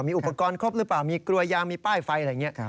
มีอุปกรณ์ครบหรือเปล่ามีกลัวยางมีป้ายไฟอะไรอย่างนี้